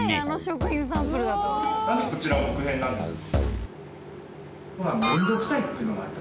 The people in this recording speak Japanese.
なんでこちらは木片なんですか？